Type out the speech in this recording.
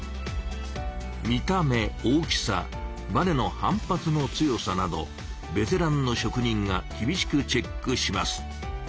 見た目大きさバネの反発の強さなどベテランの職人がきびしくチェックします。